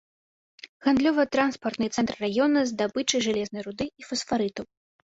Гандлёва-транспартны цэнтр раёна здабычы жалезнай руды і фасфарытаў.